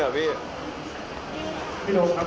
โทษเย็น